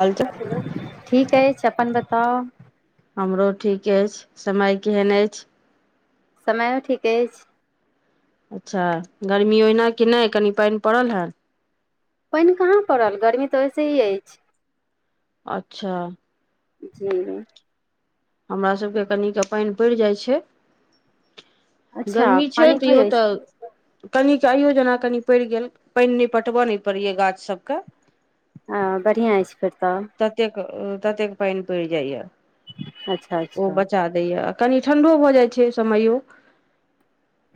हालचाल ठीक अइछ छप्पन बताउ हमरो ठीक अछि समय केहन अछि समयो ठीक अछि अच्छा गर्मी ओहिना कि नै कनि पैन पड़ल हे पैन कहाँ पड़ल गर्मी तऽ वइसे ही ऐछ अच्छा जी हमरा सभके कनिक पानि पड़ि जाइ छै अच्छा गर्मी छै पानि त होइ यहो तऽ अछि कनि चायो जेना कनि पड़ि गेल पानि नहि पटबय नहि पड़ैय गाछ सबके हँ बढ़िआँ अछि फेर तब ततेक ततेक पानि पड़ि जाइया अच्छा ओ अच्छा बचा दय या कनि ठण्डो भऽ जाइ छै समयो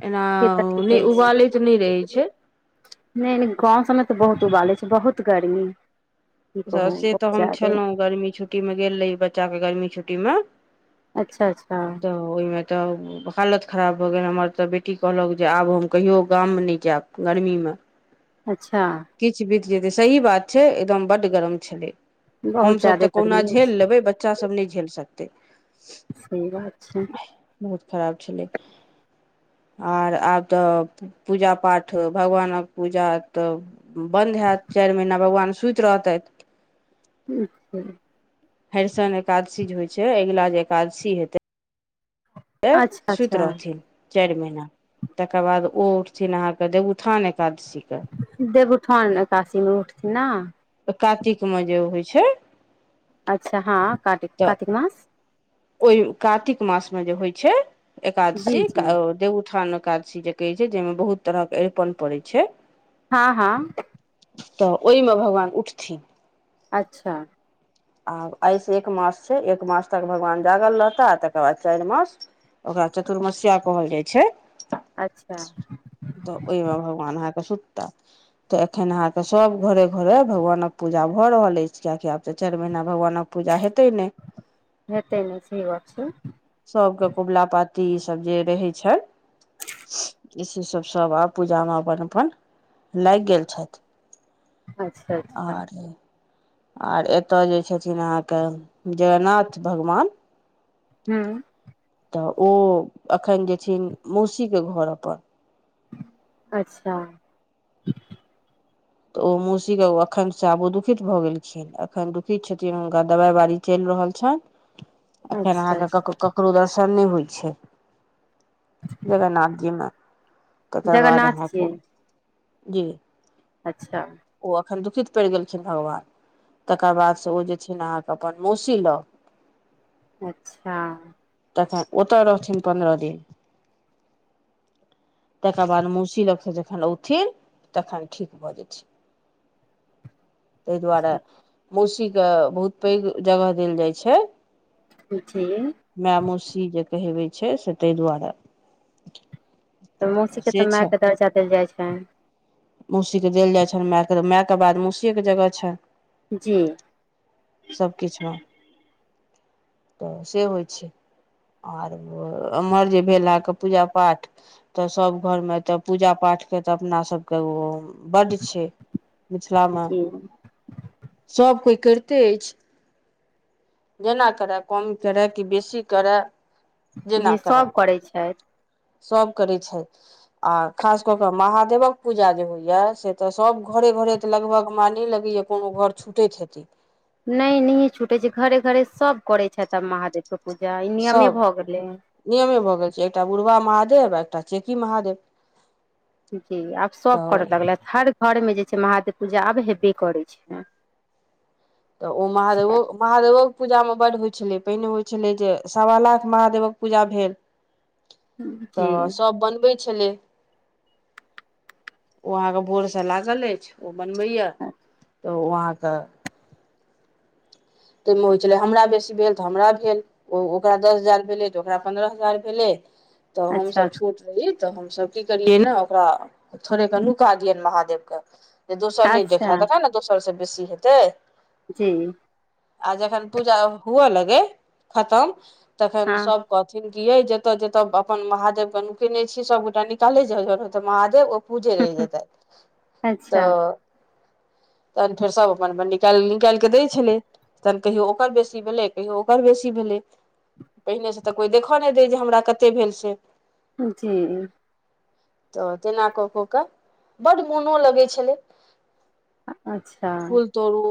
एना से तऽ ठीक नहि अछि उबालै त नहि रहै छै नहि नहि गाँव सभमे तऽ बहुत उबालै छै बहुत गर्मी की कहू से तऽ बहुत हम ज्यादे छलहुँ गर्मी छुट्टीमे गेल रही बच्चाके गर्मी छुट्टीमे अच्छा अच्छा तऽ ओहिमे तऽ हालत खराब भऽ गेल हमर तऽ बेटी कहलक जे आब हम कहियओ गाममे नहि जायब गर्मीमे अच्छा किछु बीत सही बात छै एकदम बड्ड गरम छलै बहुत हमसभ ज्यादे तऽ कहुना गर्मी झेल अछि लेबै बच्चासभ नहि झेल सकतै से बात छै बहुत खराब छलै आर आब तऽ पूजा पाठ भगवानक पूजा तऽ बन्द हत चारि महीना भगवान सुति रहते अच्छा हरिशन एकादशी जे होइ छै अगिला जे एकादशी हेतै त अच्छा सुति अच्छा रहथिन चारि महिीना तकर बाद ओ उठथिन अहाँके देवउथान देवउथान काशीमे उठिथि ने कातिकमे जे होइ छै अच्छा हँ कातिक तऽ कातिक मास ओहि कातिक मासमे जे होइ छै एकादशी जी जी देवउठान एकादशी जे कहै छै जाहिमे बहुत तरह के अरिपन पड़ै छै हँ हँ तऽ ओहिमे भगवान उठथिन अच्छा आ एहिइसँ एक मास छै एक मास तक भगवान जागल रहता आ तकर बाद चारि मास ओकरा चतुर्मस्या कहल जाइ छै अच्छा तऽ ओहिमे भगवान अहाँके सुत तऽ एखन अहाँके सब घरे घरे भगवानक पूजा भऽ रहल अछि किआकि आब तऽ चारि महीना भगवानक पूजा हैतै नही हेतै नहि सही गप छै कबुला पाती ईसभ जे रहै छैन इसे सभ सभ आब पूजामे अपन अपन लागि गेल छथि अच्छा अच्छा आर आर एतय जे छथिन अहाँके जगन्नाथ भगवान हूँ तऽ ओ अखन जेथिन मौसीके घर अपन अच्छा तऽ ओ मोसीके अखन से आबू दुखित भऽ गेलखिन अखन दुखित छथिन हुनका दवाइ बाड़ी चलि रहल छनि अखन अहाँ अच्छा के अच्छा ककरो [unintelligible] नहि होइ छै जगन्नाथ जी मे ककर बाद जगन्नाथ जी अहाँक जी अच्छा अखन दुखित पड़ि गेलखिन भगवान तकर बादसँ ओ जे छै ने अहाँके अपन मौसी लग अच्छा तखन ओतऽ रहथिन पन्द्रह दिन तकर बाद मौउसी लग सँ जखन औथिन तखन ठीक भऽ जेथिन [inaudible] तइ दुआरे अच्छा मौसीके बहुत पैघ जगह देल जाइ छै जी माय मौसी जे कहेबै छै से तै दुआरे तऽ मौसीकेँ तऽ से छै मायकेँ दर्जा देल जाइ छनि मौसीके देल जाइ छनि मायके मायके बाद मौसीयेके जगह छनि जी सभ किछुमे तऽ से होइ छै आर एम्हर जे भेल अहाँके पूजा पाठ तऽ सभ घर मे तऽ पूजा पाठ काठके तऽ अपना सब के बड्ड छै मिथिलामे जी सब कोइ करिते अछि जेना करय कम करय कि बेसी करय जी जेना करय सभ करै छथि सभ करैत छैथ आ खास कऽ कऽ महादेवक पूजा जे होइया से तऽ सभ घरे भे भरे तऽ लगभग हमरा नइ लगैया कोनो घर छुटैत हेतै नहि नहि छूटैत छै घरे घरे सभ करै छथि आब महादेव सब नियमे भऽ गेल छै एकटा बुढ़वा महादेव देव एकटा चेकी महादेव जी आब सब करऽ तऽ लगलैथ हर घरमे जे छै महादेव पूजा आब हेबे करै छै तऽ ओ महादेवो महादेवो पूजामे बड्ड होइ छलै पहिने होइ छलै जे सवा लाख महादेवक पूजा भेल तऽ जी सभ बनबै छलै ओ अहाँके भोरसँ लागल अछि ओ बनबैए तऽ अहाँक ताहिमे होइ छलै हमरा बेसी भेल तऽ हमरा भेल ओ ओकरा दस हजार भेलै तऽ ओकरा पन्द्रह हजार भेलै तऽ अच्छा हमसभ अच्छा छोट रही तऽ हमसभ की करियै ने ओकरा थोड़ेके नुका दियनि महादेवके जे दोसर नहि अच्छा देखह तखन ने दोसर सँ बेसी हेतै जी आ जखन पूजा हुए लगे खतम तखन हँ सब कहथिन कियै जतऽ जतऽ अपन महादेव के नुकने छी सब गोटा निकाले जाय जाउ नइ तऽ महादेव पूजे रहि जेतै अच्छा तऽ तहन फेर सब अपन अपन निकालली तहन कहियो ओकर बेसी भेलै कहियो ओकर बेसी भेलै पहिनेसँ तऽ कोइ देखय नइ दै जे हमरा कतेक भेल से जी तऽ तेना कऽ कऽ कऽ बड्ड मोनो लगै छलै अच्छा फूल तोड़ू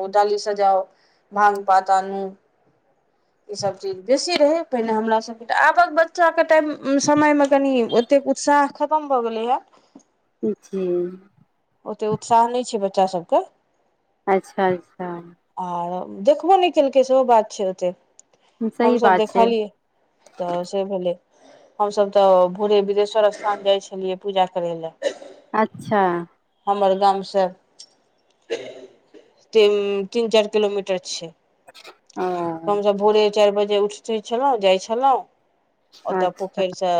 ओ डाली सजाओ भांग पात आनु ई सब चीज बेसी रहै पहिने हमरा सबके तऽ आबक बच्चाके टाइम समयमे कनि ओतेक उत्स साह खतम भऽ गेलइया जी ओतेक उत्साह नहि छै बच्चा सभके अच्छा अच्छा आर देखबो नहि केलकै सेहो बात छै ओतेक सही हमसभ बात छै देखलियै तऽ से भेलै हमसभ तऽ भोरे बिदेश्वर स्थान जाइ छलियै पूजा करय लए अच्छा हमर गाम से तीन चारि किलोमीटर छै ओ हम हमसब भोरे चारि बजे उठित छलहुँ जाइ छलहुँ ओतऽ अच्छा पोखरिसँ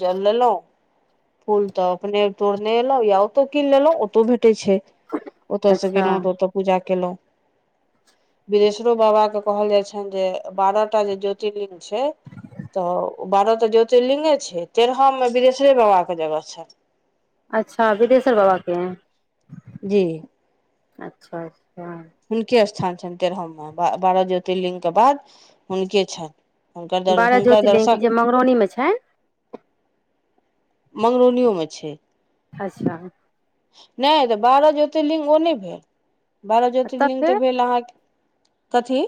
जल लेलहुँ फूल तऽ अपने तोड़लेलौं या ओतय कीन लेलो ओतौ भी तै छै ओतय से अच्छा गेलहुँ तऽ ओतय पूजा केलहुँ विदेशरो बाबा के कहल जाइ छनि जे बारह टा जे ज्योतिर्लिंग छै तऽ बारह तऽ ज्योतिर्लिंगे छै तेरहममे विदेशरे बाबाके जगह छैन अच्छा बिदेश्वर बाबा के जी अच्छा अच्छा हुनके स्थान छनि तेरहम मे बारह ज्योतिर्लिंगके बाद हुनके छनि हुनकर दर बारह हुनकर ज्योतिर्लिंग के दर्शन जे मंगरौनी मे छै मंगरोलोमे छैय। अच्छा नहि तऽ बारह ज्योतिर्लिङ्ंग ओ नहि भेल बारह तब ज्योतिर्लिङ्ंग तऽ फेर भेल अहाँके कथी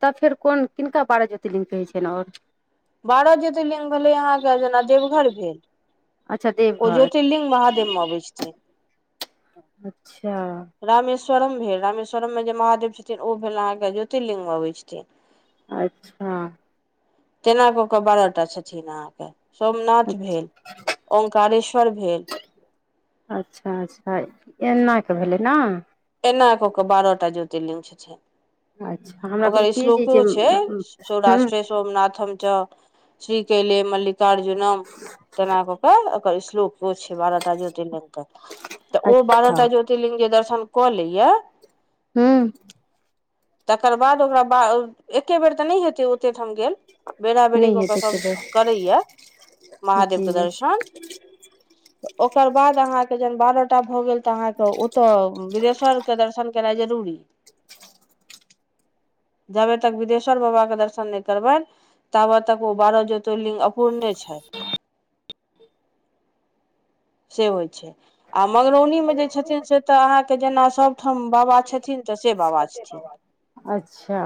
तब फेर कोन किनका बारह ज्योतिर्लिग कहै छियनि आओर बारह ज्योतिर्लिग भेलै अहाँके जेना देवघर भेल अच्छा ओ देवघर ज्योतिर्लिग महादेवमे अबै छथिन अच्छा स्वरम भेल रामेश्वरम मे जे महादेव छथिन ओ भेल अहाँके ज्योतिर्लिंग मे अबै छथिन अच्छा केना कऽ कऽ बारह टा छथिन अहाँके सोमनाथ अच्छा भेल ओंकारेश्वर भेल अच्छा अच्छा एना कऽ भेलै ने एना कऽ कऽ बारहटा ज्योतिर्लिंग छथिन अच्छा हमरा ओकर भेल कि जे श्लोको जे छै हूँ सौराष्ट्रे सोमनाथम च श्री कले मल्लिकार्जुनम तेना कऽ कऽ ओकर श्लोक ओ छै बारहटा ज्योतिर्लिंग के तऽ ओ अच्छा बारहटा ज्योतिर्लिंग जे दर्शन कोलैये हुं तकर बाद ओकरा एके बेर तऽ नहि हेते ओते ठाम गेल। बेरा बेरी नहि ओ क हेतै एके सभ बेर करैया। जी महादेवके दर्शन ओकर बाद अहाँके जह बारहटा भऽ गेल तऽ अहाँके ओतऽ विदेश ्वर के दर्शन केनाइ जरूरी जबे तक बिदेश्वर बाबाके दर्शन नहि करबेन तबा ताक ओ बार ज्योतिलिंग अपपूर्णे छाय। से होइत छैय आ मंगरौनीमे जे छथिन से तऽ अहाँके जेना सभठाम बाबा छथिन। तसे बाबा छथिन। अच्छा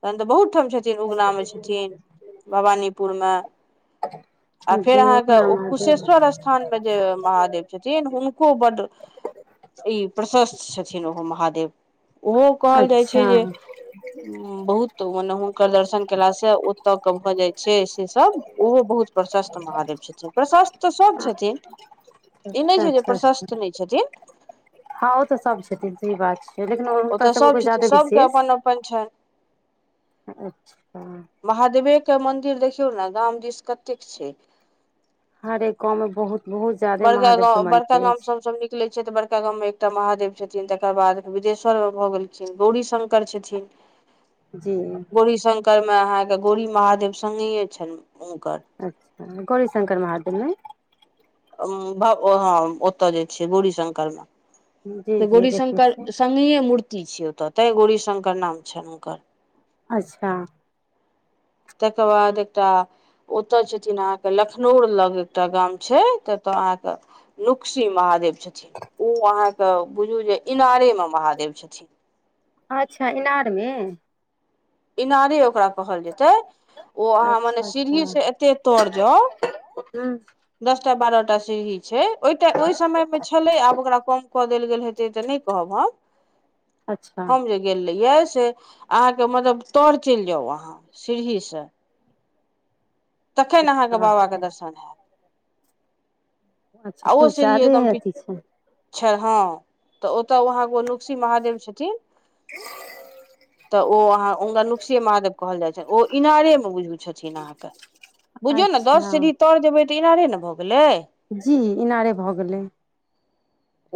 तखन तऽ बहुत ठाम छथिन उगना मे छथिन भवानीपुर मे [inaudible] आ फेर जीउ अहाँके ने ओ महादेव कुशेश्वर स्थानमे जे महादेव छथिन हुनको बड ई प्रशस्त छथिन ओहो महादेव। ओहो कहल जाइ छैय अच्छा जे बहुत मने हुनकर दर्शन केलास से ओतऽ के भऽ जाइ छैय से सब ओहो बहुत प्रशस्त महादेव छथिन प्रशस्त तऽ सब छथिन। ई नहि छा छा छै जे छा प्रशस्त छा नहि छथिन हँ ओ तऽ सब छथिन सही बात छै लेकिन हुनका ओतऽ सभके सभ कोइ छथिन ज्यादे सभके विशेष अपन अपन छनि। अच्छा महादेवे के मंन्दिर देखियौ ने गाम दिस कतेक छैय। हर कमे बहुत बहुत ज्यादे बड़का महादेवके गाँव बड़का मन्दिर गामं सब अछि सब निकले छिय तऽ बड़का गाम मे एकटा महादेव छथिन तकर बाद बिदेश्वरमे भऽ गेलखिन गौरी शंकर छथिन। जी में अहाँके गौरी महादेव संगी छनि हुनकर अच्छा गौरीशंकर महादेव न? भव हँ ओतऽ जे छैय गौरीशंकर में। जी त जी देखने गोरीशंकर छियै संगइ मूर्ति छिय ओतऽ ते गौरी शंकर नाम छनि हुनकर। अच्छा तकर बाद एकटा ओतय छथिन अहाँके लखनौर लग एकटा गाम छै तत्त अहाँके लुक्सी महा महादेव छथिन ओ अहाँके बुझू जे इनारेमे महादेव छथिन अच्छा इनारमे? इनारे ओकरा कहल जेतै। ओ अहाँ मने अच्छा अच्छा सीढ़ी से एते तर जाउ हूं दसटा बारहटा टा सीढी छइ ओइटा ओइ समयमे छलै आब ओकरा कम कऽ देल गेल हेतै तऽ नहि कहब हम। अच्छा हम जे गेल रहीयै से अहाँके मतलब तर चलि जाउ अहाँ सीढ़ीसँ। तखन अहाँके अच्छा बाबाके अच्छा दर्शन हैत। अच्छा आ ओ किछु सीढ़ी ज्यादे एकदम अथी छै पीछर हँ तऽ ओतऽ ओहा ओ नुकसी महादेव छथिन। तऽ ओ अहाँ हुनका नुकसेए महादेव कहल जाइ छनि ओ इनारेमे बुझू छथिन अहाँके। बुझियौ ने दस अच्छा सीदी तर जेबै तऽ इनारे ने भऽ गेलै। जी इनारे भऽ गेलै।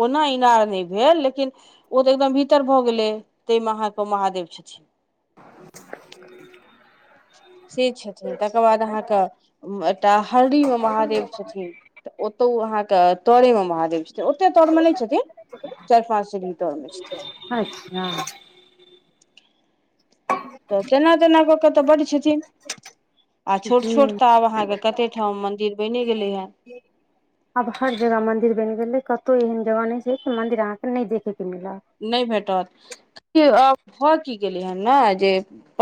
ओना इनार नहि भेल लेकिन ओ तऽ एकदम भीतर भऽ गेलै तइमा अहाँके महादेव छथिन। [inaudible] से छथिन तकर बाद अहाँके एकटा हरडि मे महादेव छथिन तऽ ओतौ अहाँ के तरे मे महादेव छथिन ओते तर मे नहि छथिन चारि पाँच सीढी तर मे छथिन अच्छा तऽ तेना तेना कऽ के तऽ बड्ड छथिन आ छोट जी छोट तऽ आब अहाँके कत्ते ठाम मन्दिर बनि गेलैयै आब हर जगह मंदिर बनि गेलै कतहु एहन जगह नहि छै कि मंदिर अहाँ के नहि देखैके नहि भेटत देखियौ आब भऽ की गेलै हन ने जे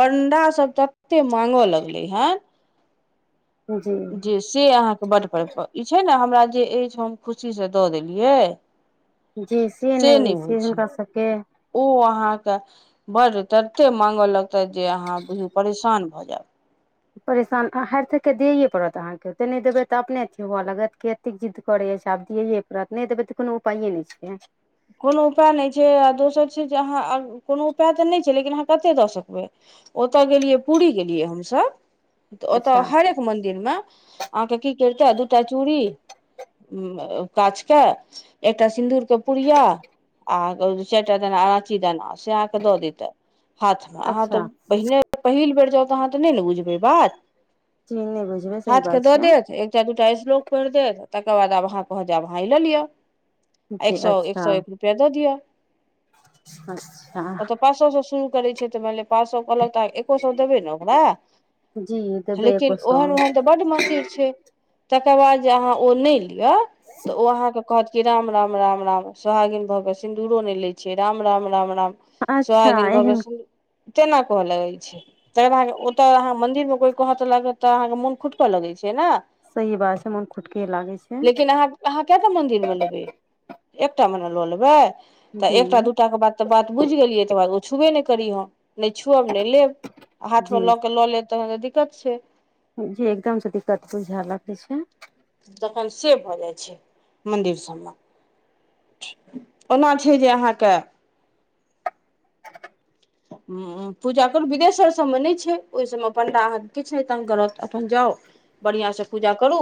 पण्डासभ तते मांगय लगलै हन जे जी से अहाँके बड्ड परिकल ई छै ने हमरा जे अछि हम खुशी से दऽ देलियै से नहि होइ छै ओ अहाँके बड्ड तते मांगय लगतैथ जे अहाँ बुझू परेशान भऽ जायब परेशान हाथ के दियैए पड़त अहाँके ओते नहि देबै तऽ अपने अथी हुअ लागत क एतेक जिद्द करैये आब दियैये पड़त नहि देबै तऽ कोनो उपाइए नहि छै कोनो उपाय नहि छै आ दोसर छै जे अहाँ कोनो उपाय तऽ नहि छै लेकिन अहाँ कतेक दऽ सकबै ओतय गेलियै पूरी गेलियै हमसभ तऽ ओतय अच्छा हरेक मन्दिरमे अहाँके की करिते दू टा चूड़ी काँच के एकटा सिन्दूर के पूर या आ चारिटा दाना अराची दाना से अहाँ के दऽ देते हाथमे अहाँ तऽ अच्छा पहिने पहिल बेर जाउ तऽ अहाँ तऽ नहि ने बुझबै बात जी नहि बुझबै सही हाथ के बात दऽ छै देत एकटा दुटा [unintelligible] लोक पढ़ि देत तकर बाद आब अहाँ कहत जे अहाँ ई लऽ लिअ [unintelligible] एक जी सौ एक अच्छा सौ एक रुपया दऽ दिय अच्छा ओ तऽ पाँच सौ से शुरु करै छिय तऽ मानि लिय पाँच सौ कहलक तऽ अहाँ एको सौ देबै ने ओकरा जी देबै लेकिन एको सौ ओहन ओहन तऽ बड्ड मन्दिर छै तकर बाद जे अहाँ ओ नहि लिअ त ओ अहाँ के कहत की राम राम राम सोहागिन भऽ कऽ सिन्दूरो नहि लै छियै राम राम राम राम अच्छा सोहागिन भक एहन सिन् तेना कहऽ लगै छै तहन अहाँके ओतय अहाँ मंदिर मे कोई कहत तऽ लागत तऽ अहाँके मोन खुटकऽ लगै छै ने सही बात छै मोन खुटके लागै छै लेकिन अहाँ अहाँ केटा मन्दिर मे लेबै एकटा मै न लऽ लेबै तऽ जी एकटा दूटाके बाद तऽ बात बुझि गेलियै तकर बाद ओ छुबे नहि करी अहाँ नहि छुअब नहि लेब आ जी हाथमे लऽ केऽ लऽ लेब तखन तऽ दिक्कत छै जी एकदमसे दिक्कत बुझै लागै छै तखन से भऽ जाइ छै मन्दिर सब मे ओना छै जे अहाँके हूँ पूजा करू विदेश्वर सभमे नहि छै ओहि सभमे पण्डा अहाँके किछ नहि तंग करत अपन जाउ बढ़ियाॅंसे पूजा करू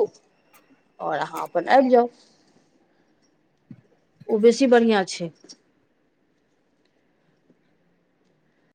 ओर अहाँ अपन आबि जाउ ओ बेसी बढ़ियाॅं छै